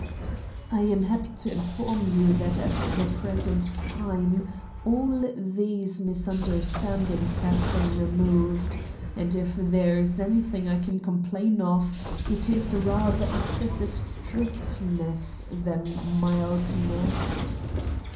I am happy to inform you that at the present time all these misunderstandings have been removed, and if there is anything I can complain of it is rather excessive strictness than mildness.